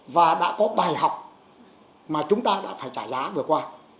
và đã có bài học mà chúng ta đã phải trả giá vừa qua